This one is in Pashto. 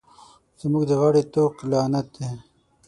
زما د غاړې طوق لعنت دی.